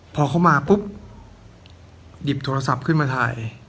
พอเขามาปุ๊บหยิบโทรศัพท์ขึ้นมาถ่าย